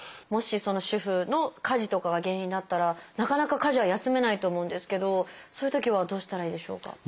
もし主婦の家事とかが原因だったらなかなか家事は休めないと思うんですけどそういうときはどうしたらいいでしょうか？